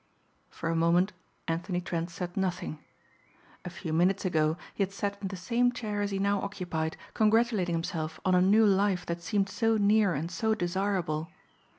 For a moment Anthony Trent said nothing. A few minutes ago he had sat in the same chair as he now occupied congratulating himself on a new life that seemed so near and so desirable.